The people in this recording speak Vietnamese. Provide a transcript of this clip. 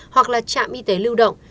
hoặc là trạm y tế lưu động